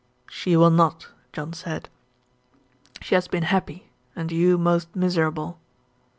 "She will not," John said. "She has been happy, and you most miserable."